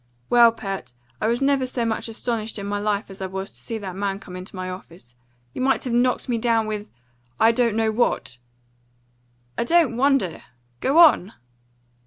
"Well, Pert, I was never so much astonished in my life as I was to see that man come into my office. You might have knocked me down with I don't know what." "I don't wonder. Go on!"